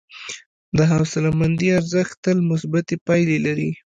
د حوصلهمندي ارزښت تل مثبتې پایلې لري.